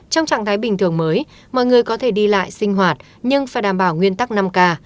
trong trạng thái bình thường mới mọi người có thể đi lại sinh hoạt nhưng phải đảm bảo nguyên tắc năm k